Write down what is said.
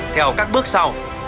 theo các bước sau